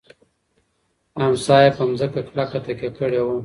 امسا یې په مځکه کلکه تکیه کړې وه.